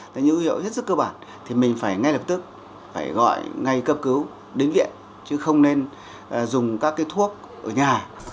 bệnh nhân phải ngay lập tức phải gọi ngay cấp cứu đến viện chứ không nên dùng các thuốc ở nhà